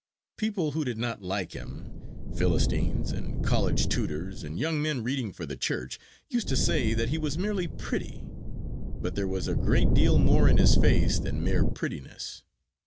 People who did not like him, Philistines and college tutors, and young men reading for the Church, used to say that he was merely pretty; but there was a great deal more in his face than mere prettiness.